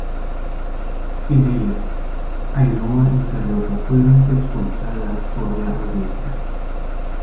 En ella, Ainhoa y Carlota fueron las expulsadas por la audiencia.